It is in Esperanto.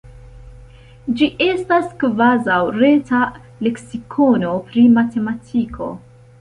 Ĝi estas kvazaŭ reta leksikono pri matematiko.